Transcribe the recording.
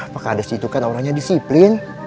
pak kades itu kan orangnya disiplin